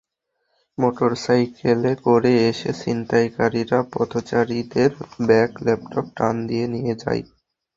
মোটরসাইকেলে করে এসে ছিনতাইকারীরা পথচারীদের ব্যাগ, ল্যাপটপ টান দিয়ে নিয়ে যায়।